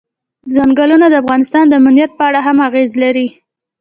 چنګلونه د افغانستان د امنیت په اړه هم اغېز لري.